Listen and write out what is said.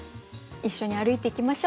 一緒に歩いていきましょう。